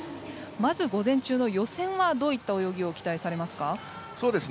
まず午前中の予選はどういった泳ぎを期待されますか？